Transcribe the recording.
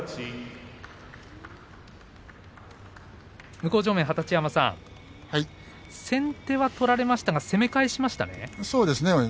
向正面、二十山さん先手を取られましたけども攻め返しましたね。